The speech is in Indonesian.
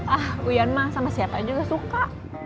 ah uian mah sama siapa juga suka